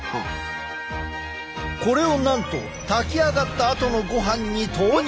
これをなんと炊きあがったあとのごはんに投入。